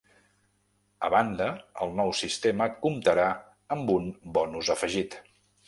A banda, el nou sistema comptarà amb un ‘bonus afegit’.